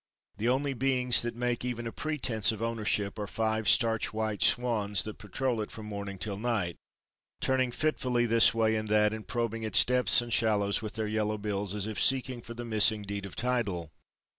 The only beings that make even a pretense of ownership are five starch white swans that patrol it from morning till night, turning fitfully this way and that and probing its depths and shallows with their yellow bills as if seeking for the missing Deed of title.